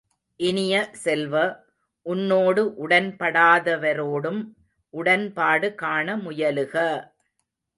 இனிய செல்வ, உன்னோடு உடன்படாதவரோடும் உடன்பாடு காண முயலுக!